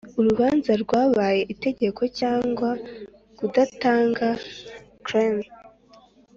urubanza rwabaye itegeko cyangwa kudatanga claim